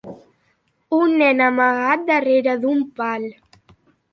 Un nen amagat darrere d'un pal.